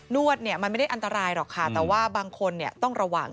วดเนี่ยมันไม่ได้อันตรายหรอกค่ะแต่ว่าบางคนต้องระวัง